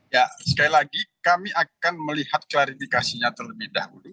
ya sekali lagi kami akan melihat klarifikasinya terlebih dahulu